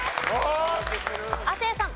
亜生さん。